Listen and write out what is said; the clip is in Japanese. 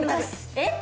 えっ？